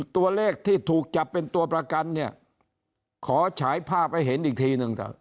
ตัวเลขที่ถูกจับเป็นตัวประกันเนี่ยขอฉายภาพให้เห็นอีกทีหนึ่งเถอะ